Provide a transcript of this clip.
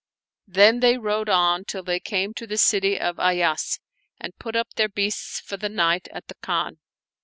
Then they rode on till they came to the city of Ayas and put up their beasts for the night at the Khan.